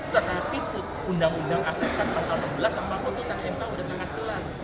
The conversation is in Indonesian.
tetapi itu undang undang afekan pasal enam belas sama keputusan mpo sudah sangat jelas